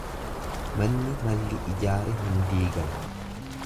Manni malli ijaare hin diigamu.